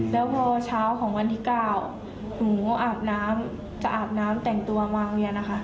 แล้วพอเช้าของวันที่๙หนูอาบน้ำจะอาบน้ำแต่งตัววางเวียนนะคะ